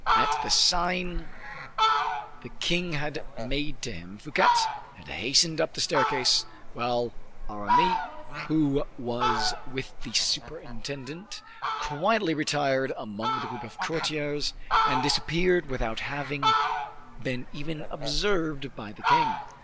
At the sign the king had made to him, Fouquet had hastened up the staircase, while Aramis, who was with the superintendent, quietly retired among the group of courtiers and disappeared without having been even observed by the king.